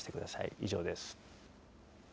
以上です。